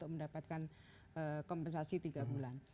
mendapatkan kompensasi tiga bulan